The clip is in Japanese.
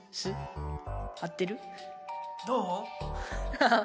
ハハハ！